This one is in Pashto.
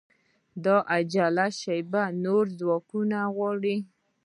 دا عاجله شېبه نور ځواکونه غواړي